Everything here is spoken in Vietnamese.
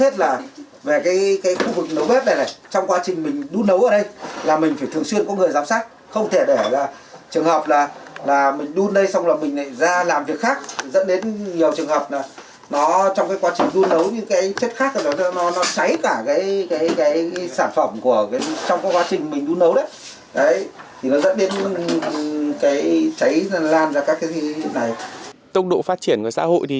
tốc độ phát triển của xã hội thì